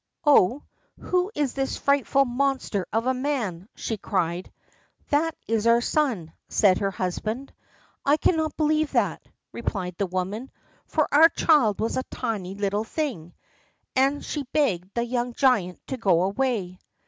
"Oh, who is this frightful monster of a man?" she cried. "That is our son," said her husband. "I cannot believe that," replied the woman, "for our child was a tiny little thing," and she begged the young giant to go away.